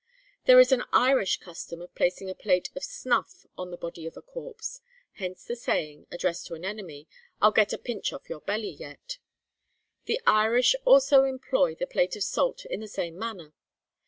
There is an Irish custom of placing a plate of snuff on the body of a corpse; hence the saying, addressed to an enemy, 'I'll get a pinch off your belly yet.' The Irish also employ the plate of salt in the same manner.